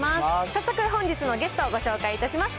早速、本日のゲストをご紹介します。